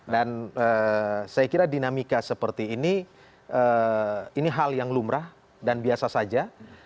dan saya kira dinamika seperti ini ini hal yang lumrah dan biasa saja